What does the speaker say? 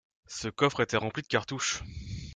Ce coffre était rempli de cartouches.